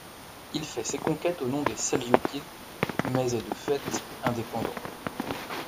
Il fait ses conquêtes au nom des Seldjoukides, mais est de fait indépendant.